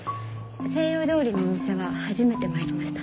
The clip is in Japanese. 西洋料理のお店は初めて参りました。